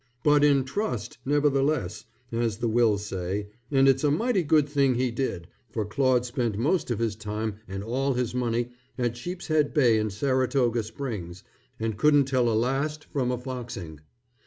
"But in trust" nevertheless, as the wills say, and it's a mighty good thing he did for Claude spent most of his time and all his money at Sheepshead Bay and Saratoga Springs, and couldn't tell a last from a foxing.